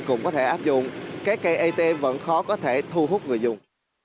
cũng có thể áp dụng các cây at vẫn khó có thể thu hút người dùng